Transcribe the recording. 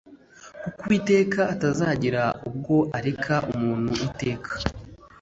Kuko Uwiteka atazagira ubwo areka umuntu iteka.